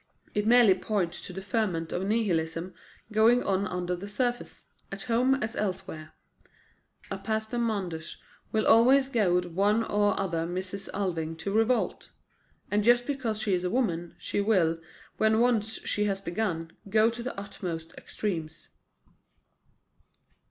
It merely points to the ferment of Nihilism going on under the surface, at home as elsewhere. A Pastor Manders will always goad one or other Mrs. Alving to revolt. And just because she is a woman, she will, when once she has begun, go to the utmost extremes."